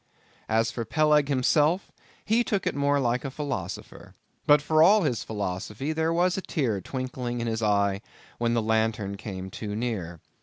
As for Peleg himself, he took it more like a philosopher; but for all his philosophy, there was a tear twinkling in his eye, when the lantern came too near.